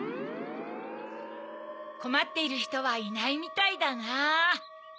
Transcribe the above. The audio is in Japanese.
こまっているひとはいないみたいだな。